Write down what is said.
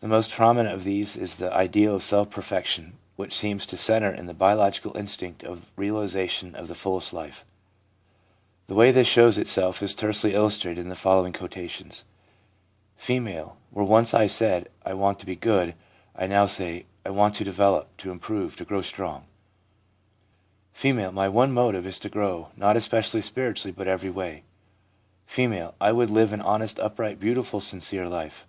The most prominent of these is the ideal of self perfection, which seems to centre in the biological instinct of realisation of the fullest life. The way this shows itself is tersely illustrated in the following quotations : F. ' Where once I said, " I want to be good," I now say, " I want to develop, to improve, to grow strong." ' F. ' My one motive is to grow, not especially spiritually, but every way/ F. ' I would live an honest, upright, beautiful, sincere life.'